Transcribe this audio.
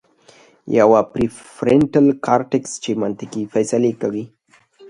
يوه پري فرنټل کارټيکس چې منطقي فېصلې کوي